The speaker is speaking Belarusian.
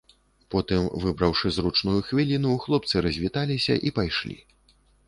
Потым, выбраўшы зручную хвіліну, хлопцы развіталіся і пайшлі.